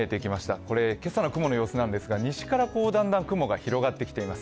これ、今朝の雲の様子なんですが西からだんだん雲が広がってきています。